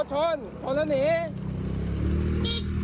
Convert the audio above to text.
มาเถียงมาเถี๋ยงเป็นไงเออดีแหละโดน